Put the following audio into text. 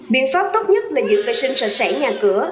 biện pháp tốt nhất là giữ vệ sinh sạch sẽ nhà cửa